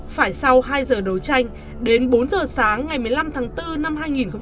phải sau hai giờ đấu tranh đến bốn giờ sáng ngày một mươi năm tháng bốn năm hai nghìn hai mươi